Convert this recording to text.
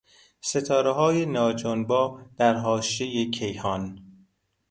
ستارههای ناجنبا در حاشیهی کیهان